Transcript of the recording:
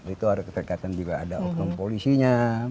itu ada keterkaitan juga ada oknum polisinya